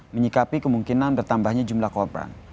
menyikapi kemungkinan bertambahnya jumlah korban